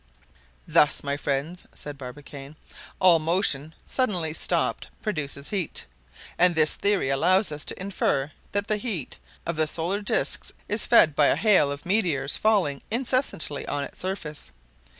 "Thus, my friends," said Barbicane, "all motion suddenly stopped produces heat. And this theory allows us to infer that the heat of the solar disc is fed by a hail of meteors falling incessantly on its surface.